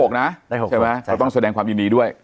ได้๖นะใช่ไหมเราต้องแสดงความยินดีด้วย